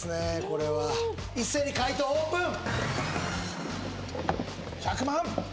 これは一斉に解答オープン・１００万！